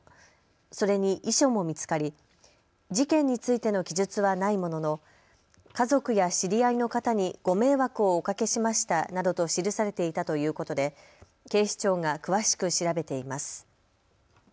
それに遺書も見つかり、事件についての記述はないものの家族や知り合いの方にご迷惑をおかけしましたなどと記されていたということで警視庁が詳しく調べています。